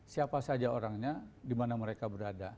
siapa saja orangnya di mana mereka berada